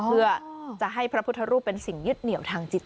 เพื่อจะให้พระพุทธรูปเป็นสิ่งยึดเหนียวทางจิต